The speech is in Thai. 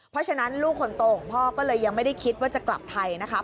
เพราะฉะนั้นลูกคนโตของพ่อก็เลยยังไม่ได้คิดว่าจะกลับไทยนะคะ